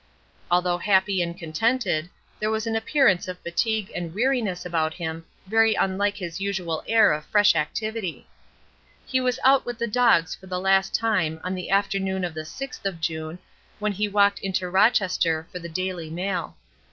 Although happy and contented, there was an appearance of fatigue and weariness about him very unlike his usual air of fresh activity. He was out with the dogs for the last time on the afternoon of the sixth of June, when he walked into Rochester for the "Daily Mail."